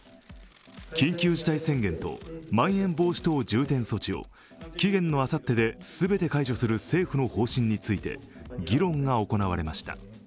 緊急事態宣言とまん延防止等重点措置を期限のあさってで全て解除する政府の方針について議論が行われました。